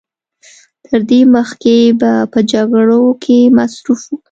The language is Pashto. تر دې مخکې به په جګړو کې مصروف و.